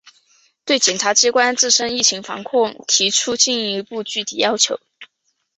对检察机关自身疫情防控提出进一步具体要求